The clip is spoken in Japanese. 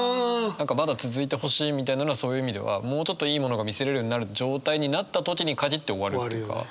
何かまだ続いてほしいみたいなのはそういう意味ではもうちょっといいものが見せれるようになる状態になった時に限って終わるというか。